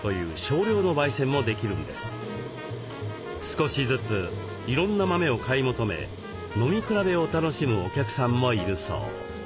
少しずついろんな豆を買い求め飲み比べを楽しむお客さんもいるそう。